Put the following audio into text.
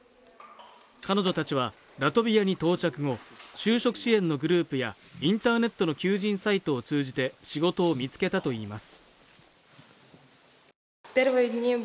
彼女たちはラトビアに到着後就職支援のグループやインターネットの求人サイトを通じて仕事を見つけたといいます